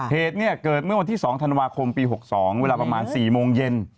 เหตุเนี่ยเกิดเมื่อวันที่๒ธันวาคมปี๖๒เวลาประมาณ๔โมงเย็น